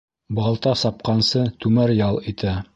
Балта сапҡансы, түмәр ял итә.